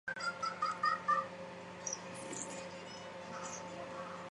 马列主义联盟是挪威的一个已不存在的霍查主义组织。